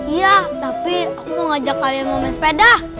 iya tapi aku mau ngajak kalian mau main sepeda